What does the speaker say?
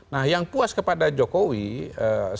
nah yang puas kepada jokowi selain tetap di dalam kubu ini ya